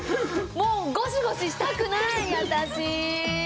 もうゴシゴシしたくない私。